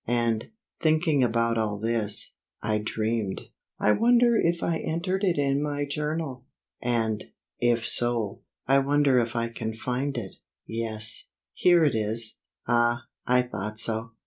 And, thinking about all this, I dreamed. I wonder if I entered it in my journal? And, if so, I wonder if I can find it? Yes; here it is. Ah, I thought so.